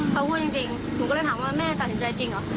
เขาพูดจริงหนูก็เลยถามว่าแม่ตัดสินใจจริงเหรอ